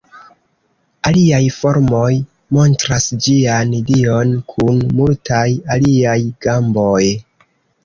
Aliaj formoj montras ĝian dion kun multaj aliaj gamboj.